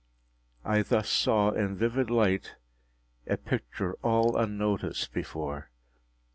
I thus saw in vivid light a picture all unnoticed before.